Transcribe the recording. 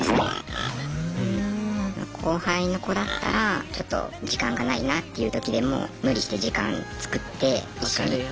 後輩の子だったらちょっと時間がないなっていうときでも無理して時間作って分かるよ。